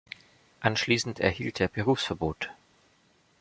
Anschließend erhielt er Berufsverbot.